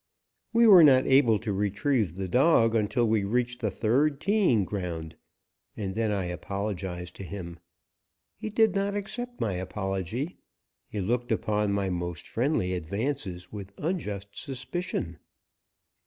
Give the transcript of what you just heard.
[Illustration: 219] We were not able to retrieve the dog until we reached the third teeing ground, and then I apologized to him. He did not accept my apology. He looked upon my most friendly advances with unjust suspicion.